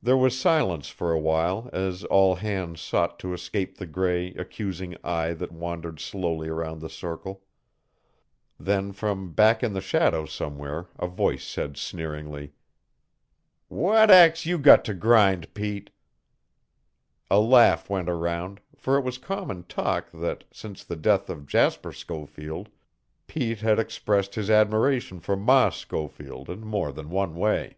There was silence for a while as all hands sought to escape the gray, accusing eye that wandered slowly around the circle. Then from back in the shadow somewhere a voice said sneeringly: "What ax you got to grind, Pete?" A laugh went round, for it was common talk that, since the death of Jasper Schofield, Pete had expressed his admiration for Ma Schofield in more than one way.